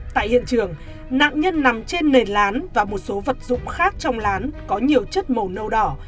tại hiện trường nạn nhân nằm trên nền lán và một số vật dụng khác trong lán có nhiều chất màu nâu đỏ